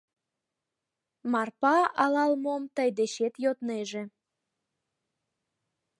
Марпа, алал-мом тый дечет йоднеже.